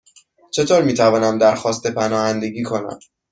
چطور می توانم درخواست پناهندگی کنم؟